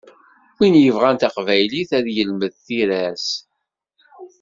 Win yebɣan taqbaylit ad yelmed tira-s.